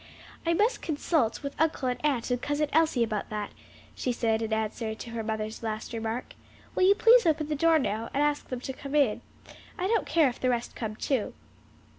"I must consult with uncle and aunt and Cousin Elsie about that," she said in answer to her mother's last remark. "Will you please open the door now and ask them to come in? I don't care if the rest come too."